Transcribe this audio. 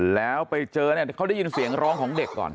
แล้วไปเจอเนี่ยเขาได้ยินเสียงร้องของเด็กก่อน